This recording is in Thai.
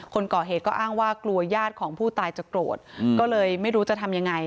คนก่อเหตุก็อ้างว่ากลัวญาติของผู้ตายจะโกรธก็เลยไม่รู้จะทำยังไง